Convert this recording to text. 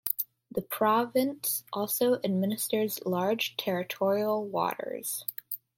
The province also administers large territorial waters.